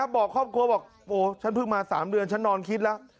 บอกครอบครัวบอกโอ้ฉันเพิ่งมา๓เดือนฉันนอนคิดแล้ว